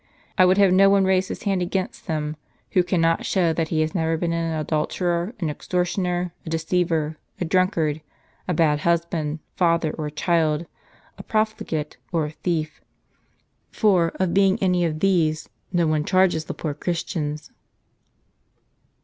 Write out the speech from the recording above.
I would have no one raise his hand against them, who cannot show that he has never been an adulterer, an extortioner, a deceiver, a drunkard, a bad husband, father, or child, a profli gate, or a thief. Foi with being any of these, no one charges the poor Christians."